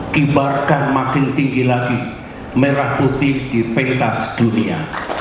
kibarkan makin tinggi lagi merah putih di pentas dunia